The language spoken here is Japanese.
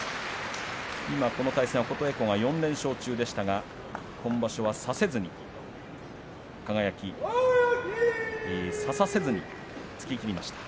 今この対戦は琴恵光が４連勝中でしたが今場所は差せずに輝は差させずに突ききりました。